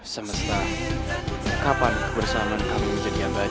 semesta kapan bersama kamu menjadi abadi